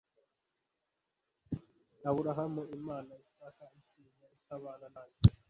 aburahamu imana isaka atinya itabana nanjye